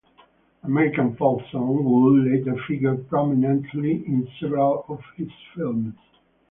American folk songs would later figure prominently in several of his films.